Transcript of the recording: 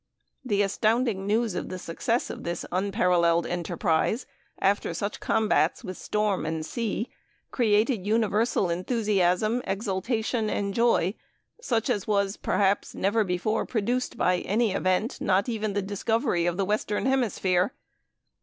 The astounding news of the success of this unparalleled enterprise, after such combats with storm and sea, "created universal enthusiasm, exultation, and joy, such as was, perhaps, never before produced by any event, not even the discovery of the Western Hemisphere.